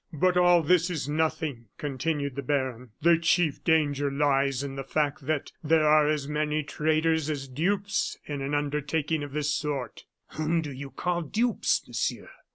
"But all this is nothing," continued the baron. "The chief danger lies in the fact that there are as many traitors as dupes in an undertaking of this sort." "Whom do you call dupes, Monsieur?"